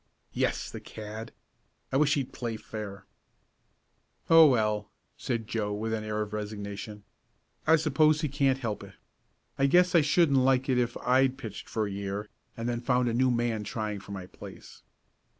"Yes, the cad! I wish he'd play fair." "Oh, well," said Joe, with an air of resignation, "I suppose he can't help it. I guess I shouldn't like it if I'd pitched for a year, and then found a new man trying for my place."